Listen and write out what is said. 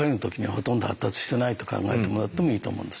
ほとんど発達してないと考えてもらってもいいと思うんです。